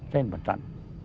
trên bờ trận